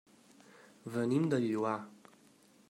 Venim del Lloar.